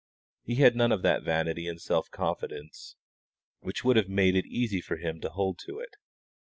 He had none of that vanity and self confidence which would have made it easy for him to hold to it.